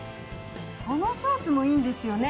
このショーツもいいんですよね。